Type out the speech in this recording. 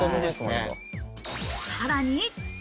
さらに。